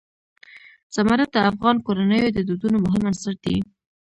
زمرد د افغان کورنیو د دودونو مهم عنصر دی.